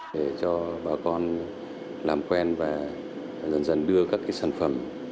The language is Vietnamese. để cho bà con làm quen và dần dần đưa các sản phẩm